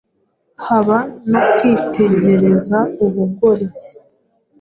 haba no kwitegereza ubugoryi.